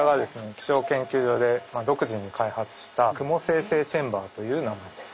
気象研究所で独自に開発した「雲生成チェンバー」という名前です。